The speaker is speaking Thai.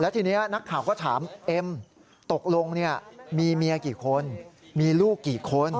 ทีนี้นักข่าวก็ถามเอ็มตกลงมีเมียกี่คนมีลูกกี่คน